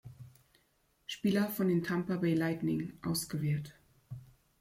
Spieler von den Tampa Bay Lightning ausgewählt.